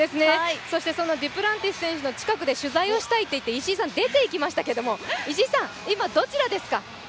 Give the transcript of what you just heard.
そのデュプランティス選手の近くで取材をしたいと言って、石井さん、出ていきましたけど、石井さん、今、どちらですか？